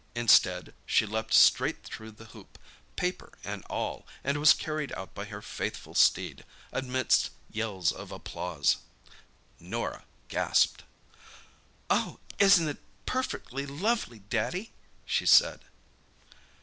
Instead, she leaped straight through the hoop, paper and all, and was carried out by her faithful steed, amidst yells of applause. Norah gasped. "Oh, isn't it perfectly lovely, Daddy!" she said.